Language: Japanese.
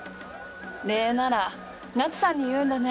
礼なら奈津さんに言うんだね。